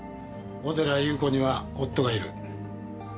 小寺裕子には夫がいる。